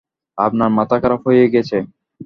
আপনার মাথা খারাপ হয়ে গেছে?